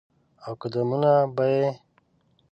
او قدمونه به یې،